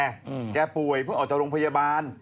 พนิตแกป่วยเพิ่งออกจะโรงพยาบาล